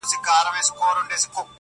ورځم چي عمر چي له يو ساعته کم ساز کړي,